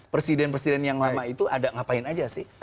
presiden presiden yang lama itu ada ngapain aja sih